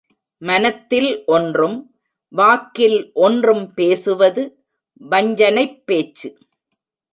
மனத்தில் ஒன்றும் வாக்கில் ஒன்றும் பேசுவது வஞ்சனைப் பேச்சு.